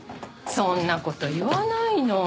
そんな事言わないの。